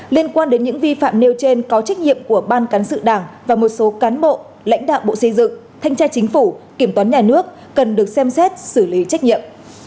liên quan đến những vi phạm nêu trên có trách nhiệm của ban cán sự đảng và một số cán bộ lãnh đạo bộ xây dựng thanh tra chính phủ kiểm toán nhà nước cần được xem xét xử lý trách nhiệm